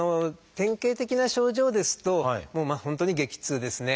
典型的な症状ですと本当に激痛ですね。